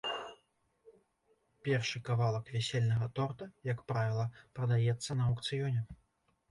Першы кавалак вясельнага торта, як правіла, прадаецца на аўкцыёне.